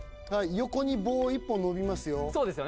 横に棒１本伸びますよ